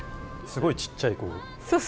すごいちっちゃい、こう。